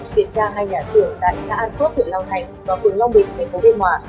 kiểm tra hai nhà sửa tại xã an phước thịnh lao thành và phường long bình thành phố nguyễn hòa